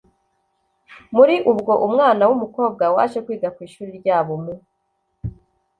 muri ubwo umwana w umukobwa waje kwiga ku ishuri ryabo mu